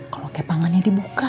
kalau kepangannya dibuka